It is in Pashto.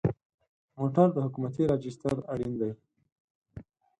موټر د حکومتي راجسټر اړین دی.